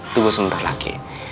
tunggu sebentar lagi